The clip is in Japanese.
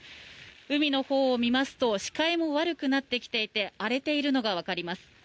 海のほうを見ますと視界も悪くなってきていて荒れているのがわかります。